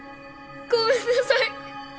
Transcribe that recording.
ごめんなさい。